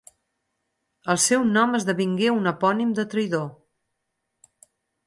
El seu nom esdevingué un epònim de traïdor.